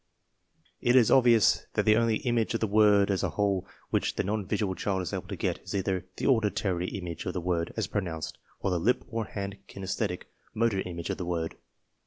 It is obvious that the only image of the word as a whole which the non visual child is able to get is either the auditory image of the word as pronounced or the lip or hand kinesthetic (motor) image of the word.